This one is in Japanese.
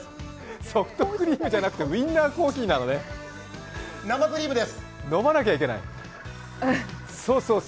ソフトクリームじゃなくてウインナーコーヒーなのね飲まなきゃいけない。